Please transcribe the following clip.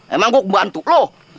emang gue kebantu lo